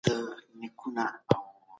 خلک باید خپل وخت تنظیم کړي.